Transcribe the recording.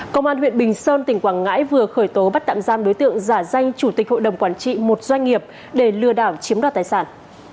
công an huyện bình sơn tỉnh quảng ngãi vừa khởi tố bắt tạm giam đối tượng giả danh chủ tịch hội đồng quản trị một doanh nghiệp để lừa đảo chiếm đoạt tài sản